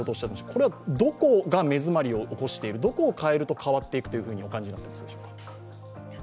これはどこが目詰まりを起こし、どこを変えると変わっていくとお感じになってますか？